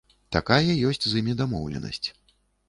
Такая ёсць з імі дамоўленасць.